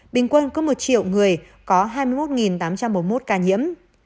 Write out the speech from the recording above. bình quân có một triệu người có hai mươi một tám trăm bốn mươi một ca nhiễm